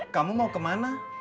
kamu mau kemana